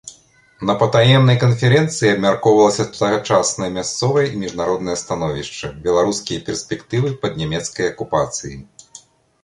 На патаемнай канферэнцыі абмяркоўвалася тагачаснае мясцовае і міжнароднае становішча, беларускія перспектывы пад нямецкай акупацыяй.